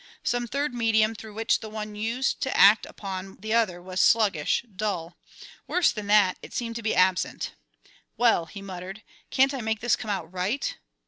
Some third medium through which the one used to act upon the other was sluggish, dull; worse than that, it seemed to be absent. "Well," he muttered, "can't I make this come out right?"